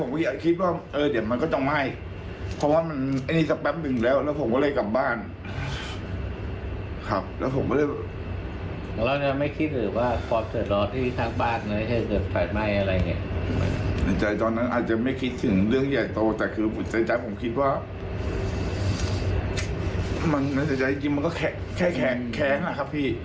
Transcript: แต่คือในใจผมคิดว่ามันในใจจริงมันก็แค่แข็งแข็งอ่ะครับพี่